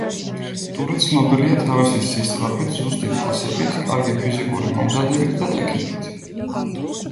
ტურე ცნობილია თავისი სისწრაფით, ზუსტი პასებით, კარგი ფიზიკური მომზადებით და ტექნიკით.